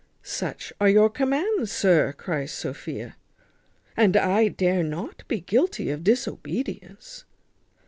"Such are your commands, sir," cries Sophia, "and I dare not be guilty of disobedience."